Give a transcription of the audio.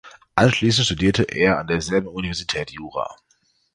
Anschließend studierte er an derselben Universität Jura.